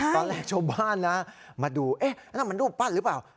ตอนแรกชาวบ้านนะมาดูเอ๊ะนั่นมันรูปปั้นหรือเปล่า